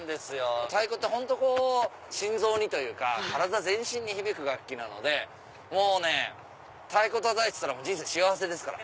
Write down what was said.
太鼓って本当心臓にというか全身に響く楽器なのでもうね太鼓たたいてたら人生幸せですから。